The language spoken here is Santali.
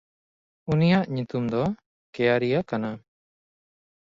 ᱩᱱᱤᱭᱟᱜ ᱧᱩᱛᱩᱢ ᱫᱚ ᱠᱮᱭᱟᱨᱤᱭᱟ ᱠᱟᱱᱟ᱾